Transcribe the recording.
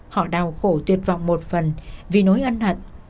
họ đau khổ tuyệt vọng một phần vì nỗi ân hận